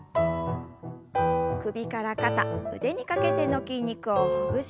首から肩腕にかけての筋肉をほぐしながら軽く。